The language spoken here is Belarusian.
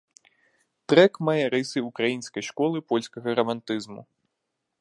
Трэк мае рысы ўкраінскай школы польскага рамантызму.